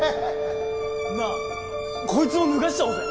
なあこいつも脱がしちゃおうぜ。